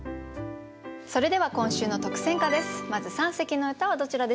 それでは今週の特選歌です。